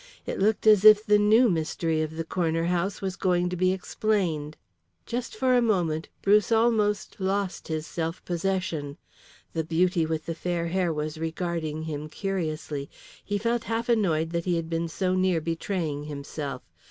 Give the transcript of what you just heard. It looked as if the new mystery of the corner house was going to be explained. Just for a moment Bruce almost lost his self possession. The beauty with the fair hair was regarding him curiously. He felt half annoyed that he had been so near betraying himself.